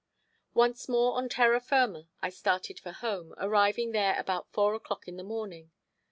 Once more on terra firma I started for home, arriving there about four o'clock in the morning.